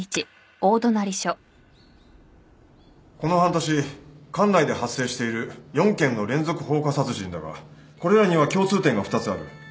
この半年管内で発生している４件の連続放火殺人だがこれらには共通点が２つある。